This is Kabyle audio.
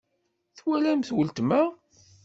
Twalamt weltma?